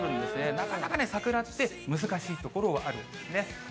なかなかね、桜って難しいところがあるんですね。